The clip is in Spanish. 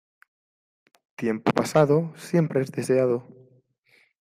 Tiempo pasado siempre es deseado.